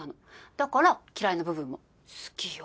だから嫌いな部分も好きよ！